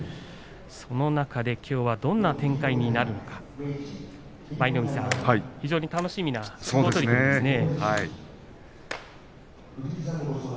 その中で、きょうはどんな展開になるのか舞の海さん楽しみですね。